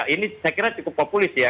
ini saya kira cukup populis ya